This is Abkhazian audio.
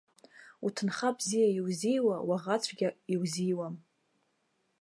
Уҭынха бзиа иузиуа, уаӷацәгьа иузиуам.